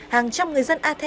hàng trăm người dân a the